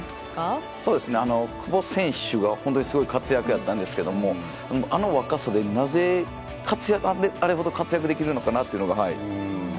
久保選手が本当にすごい活躍やったんですけど、あの若さで、なぜ活躍、あれほど活躍できるのかなって。